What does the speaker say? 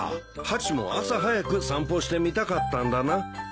ハチも朝早く散歩してみたかったんだな。